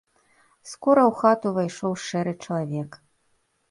Скора ў хату ўвайшоў шэры чалавек.